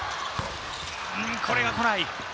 これが来ない。